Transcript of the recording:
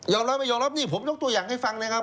ร้อยไม่ยอมรับนี่ผมยกตัวอย่างให้ฟังนะครับ